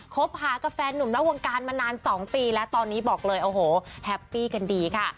คบพากับแฟนหนุ่มแล้ววงการมานานสองปีแล้วตอนนี้บอกเลยแฮปปี้กันดีค่ะ